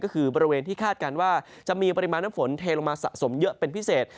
ก็คือบริเวณที่คาดการณ์ว่าจะมีปริมาณน้ำฝนเทลงมาสะสมเยอะเป็นพิเศษ